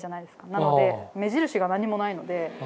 なので目印が何もないので。